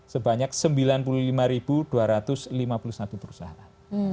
sebanyak sembilan puluh lima dua ratus lima puluh satu perusahaan